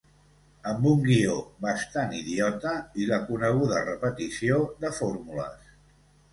Amb un guió bastant idiota i la coneguda repetició de fórmules.